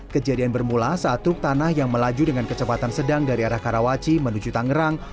kejadian bermula saat truk tanah yang melaju dengan kecepatan sedang dari arah karawaci menuju tangerang